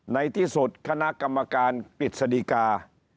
ในที่สุดคณะกรรมการกริจสดิกา